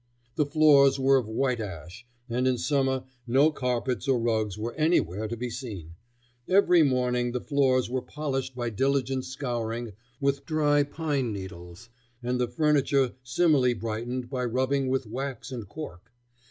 The floors were of white ash, and in summer no carpets or rugs were anywhere to be seen. Every morning the floors were polished by diligent scouring with dry pine needles, and the furniture similarly brightened by rubbing with wax and cork.